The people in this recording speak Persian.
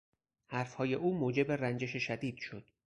حرف های او موجب رنجش شدید شد.